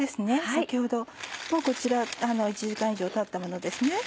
先ほどもうこちら１時間以上たったものですね。